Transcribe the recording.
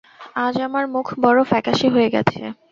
আজ আমার মুখ বড়ো ফ্যাকাশে হয়ে গেছে।